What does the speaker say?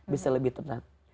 bisa lebih tenang